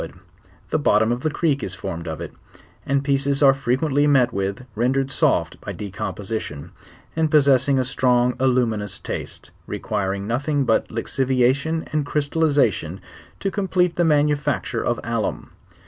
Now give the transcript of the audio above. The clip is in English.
JfuouVthe bottom >f the creek is formed of it; and pieces are frequently met w iLii rendered soft by decomposition, and possessing a strong aiumiuo'js tu&te, requiring nothing but lixiviation and cr/sUliizUion to complete the manufacture of iflluiii.